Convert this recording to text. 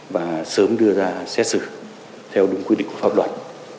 và sớm đưa ra xét xử theo đúng quy định của pháp luật